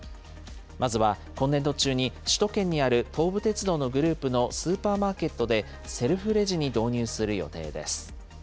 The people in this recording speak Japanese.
まずは今年度中に首都圏にある東武鉄道のグループのスーパーマーケットで、セルフレジに導入する予定です。